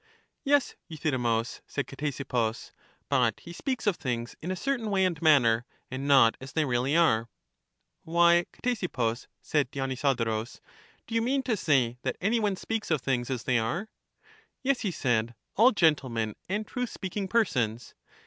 Yes, Euthydemus, said Ctesippus; but he speaks of things in a certain way and manner, and not as they really are. Why, Ctesippus, said Dionysodorus, do you mean to say that any one speaks of things as they are? Yes, he said, — all gentlemen and truth speaking persons.